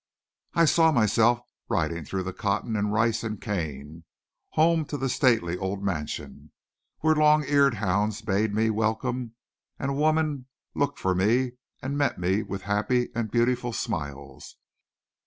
I saw myself riding through the cotton and rice and cane, home to the stately old mansion, where long eared hounds bayed me welcome and a woman looked for me and met me with happy and beautiful smiles.